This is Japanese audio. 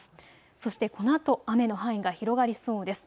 そしてこのあと雨の範囲が広がりそうです。